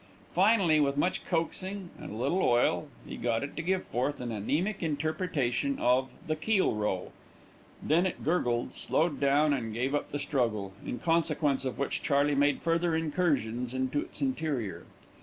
Finally, with much coaxing and a little oil, he got it to give forth an anæmic interpretation of "The Keel Row." Then it gurgled, slowed down and gave up the struggle, in consequence of which Charley made further incursions into its interior.